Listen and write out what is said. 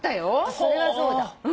それはそうだ。